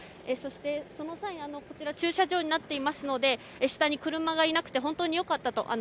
そして、その際こちら駐車場になっていますので下に車がいなくて本当に良かったと。